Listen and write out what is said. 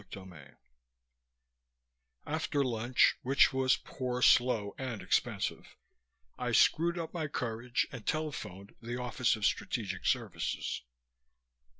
CHAPTER 16 After lunch which was poor, slow and expensive I screwed up my courage and telephoned the Office of Strategic Services.